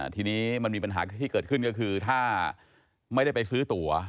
ทีนี้มันมีปัญหาที่เกิดขึ้นก็คือถ้าไม่ได้ไปซื้อตั๋ว